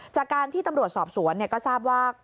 จากการที่ตำรวจสอบสวนก็ทราบว่า